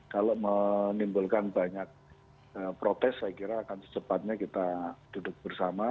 kalau menimbulkan banyak protes saya kira akan secepatnya kita duduk bersama